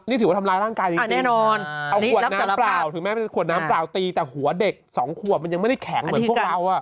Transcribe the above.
นี่ถือว่าทำร้ายร่างกายจริงแน่นอนเอาขวดน้ำเปล่าถึงแม้เป็นขวดน้ำเปล่าตีแต่หัวเด็กสองขวบมันยังไม่ได้แข็งเหมือนพวกเรา